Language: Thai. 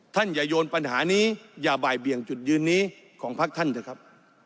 อย่าโยนปัญหานี้อย่าบ่ายเบี่ยงจุดยืนนี้ของพักท่านเถอะครับ